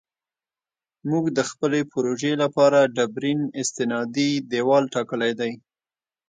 موږ د خپلې پروژې لپاره ډبرین استنادي دیوال ټاکلی دی